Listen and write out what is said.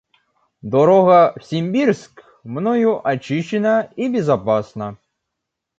Дорога в Симбирск мною очищена и безопасна.